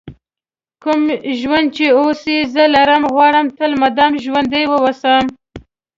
کوم ژوند چې اوس یې زه لرم غواړم تل مدام ژوندی ووسم.